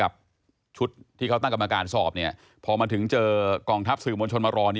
ชุดที่เขาตั้งกรรมการสอบพอมาถึงเจอกองทัพสื่อมวลชนมารอ